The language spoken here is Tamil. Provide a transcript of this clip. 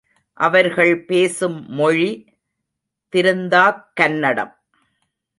அவர்கள் பேசும் மொழி திருந்தாக் கன்னடம்.